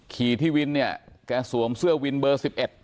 ขี่ที่วินเนี่ยแกสวมเสื้อวินเบอร์๑๑